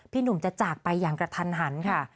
หนุ่มจะจากไปอย่างกระทันหันค่ะ